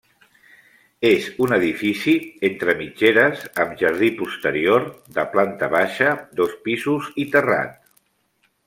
És un edifici entre mitgeres amb jardí posterior, de planta baixa, dos pisos i terrat.